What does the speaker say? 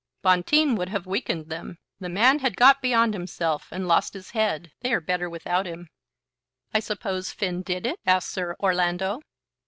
"Bonteen would have weakened them. The man had got beyond himself, and lost his head. They are better without him." "I suppose Finn did it?" asked Sir Orlando.